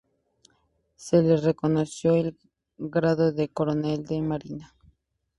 Se le reconoció el grado de coronel de marina.